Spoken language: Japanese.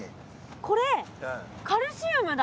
これカルシウムだ。